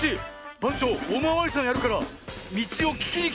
ばんちょうおまわりさんやるからみちをききにきてごらん。